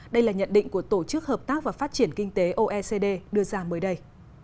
đây là nhận định của tổ chức hợp tác và phát triển kinh tế oecd đưa ra mới đây